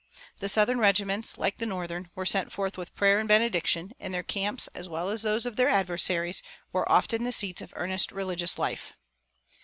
The southern regiments, like the northern, were sent forth with prayer and benediction, and their camps, as well as those of their adversaries, were often the seats of earnest religious life.